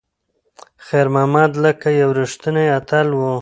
خیر محمد لکه یو ریښتینی اتل و.